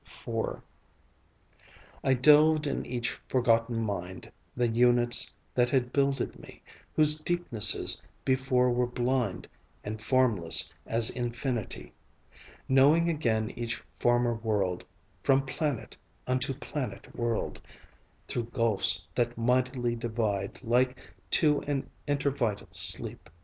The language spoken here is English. IV I delved in each forgotten mind, The units that had builded me, Whose deepnesses before were blind And formless as infinity Knowing again each former world From planet unto planet whirled Through gulfs that mightily divide Like to an intervital sleep.